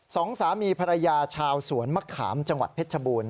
สองสามีภรรยาชาวสวนมะขามจังหวัดเพชรชบูรณ